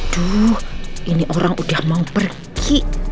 duh ini orang udah mau pergi